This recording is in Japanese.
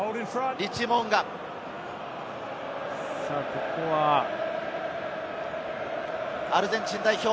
未来のアルゼンチン代表。